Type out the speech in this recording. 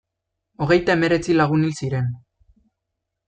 Hogeita hemeretzi lagun hil ziren.